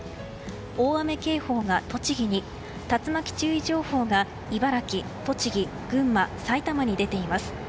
大雨警報が栃木に竜巻注意情報が茨城、栃木、群馬、埼玉に出ています。